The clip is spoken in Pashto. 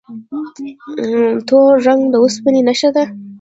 تور رنګ د اوسپنې نښه ده.